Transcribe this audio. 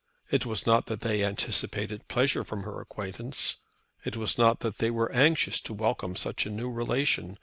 It was not that they anticipated pleasure from her acquaintance. It was not that they were anxious to welcome such a new relation.